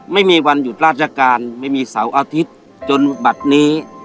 ไม่มีวันหยุดราชการไม่มีเสาร์อาทิตย์จนบัตรนี้